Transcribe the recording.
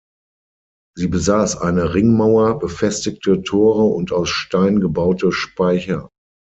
Sie besaß eine Ringmauer, befestigte Tore und aus Stein gebaute Speicher.